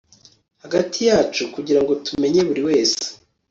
hagati yacu, kugirango tumenye buri wese